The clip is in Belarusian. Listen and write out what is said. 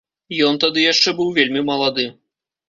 Ён тады яшчэ быў вельмі малады.